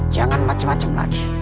jangan macem macem lagi